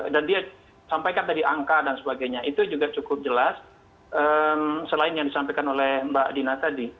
dan dia sampaikan tadi angka dan sebagainya itu juga cukup jelas selain yang disampaikan oleh mbak dina tadi